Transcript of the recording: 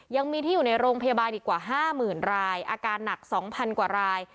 ยังมีที่อยู่ในโรงพยาบาลอีกกว่าห้าหมื่นรายอาการหนักสองพันกว่าราย